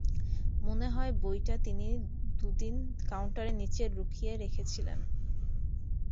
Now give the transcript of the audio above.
মনেহয় বইটা তিনি দুদিন কাউন্টারের নিচে লুকিয়ে রেখেছিলেন।